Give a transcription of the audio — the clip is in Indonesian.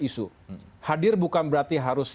isu hadir bukan berarti harus